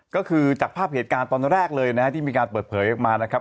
ก็คือจากภาพเกจการณ์ตอนแรกที่มีการเปิดเผยออกมา